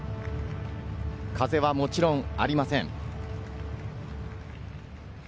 風はもちろんありません。